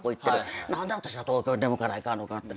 何で私が東京に出向かないかんのかって。